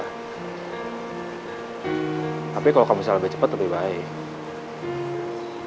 tapi kalau kamu bisa lebih cepet lebih baik